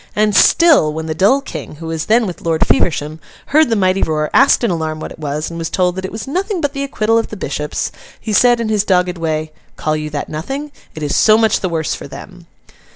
And still, when the dull King, who was then with Lord Feversham, heard the mighty roar, asked in alarm what it was, and was told that it was 'nothing but the acquittal of the bishops,' he said, in his dogged way, 'Call you that nothing? It is so much the worse for them.